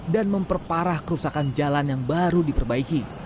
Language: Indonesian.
dan memperparah kerusakan jalan yang baru diperbaiki